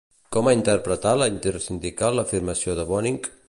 Com ha interpretat la Intersindical l'afirmació de Bonig?